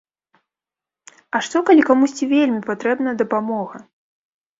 А што калі камусьці вельмі патрэбна дапамога?